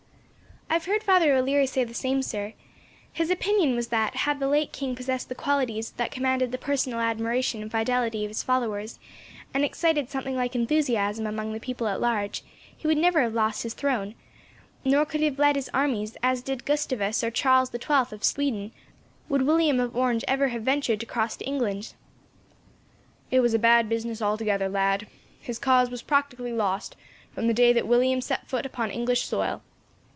"I have heard Father O'Leary say the same, sir. His opinion was that, had the late king possessed the qualities that commanded the personal admiration and fidelity of his followers, and excited something like enthusiasm among the people at large, he would never have lost his throne; nor, could he have led his armies, as did Gustavus or Charles the 12th of Sweden, would William of Orange ever have ventured to cross to England." "It was a bad business, altogether, lad. His cause was practically lost, from the day that William set foot upon English soil.